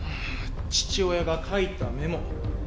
父親が書いたメモ。